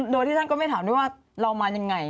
โดยที่ท่านก็ไม่ถามด้วยว่าเรามายังไง